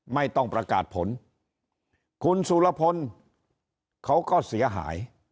ไม่ต้องประกาศผลคุณสุรพลเขาก็เสียหาย